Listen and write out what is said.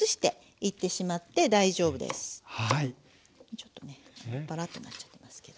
ちょっとねバラッとなっちゃってますけど。